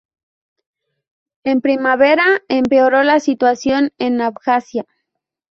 En primavera empeoró la situación en Abjasia.